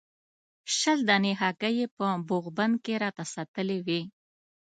شل دانې هګۍ یې په بوغ بند کې راته ساتلې وې.